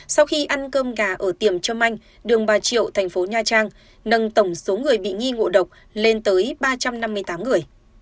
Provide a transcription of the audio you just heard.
sau khi ăn cơm gà ở tiệm trâm anh đường bà triệu thành phố nha trang nâng tổng số người bị nghi ngộ độc lên tới ba trăm năm mươi tám người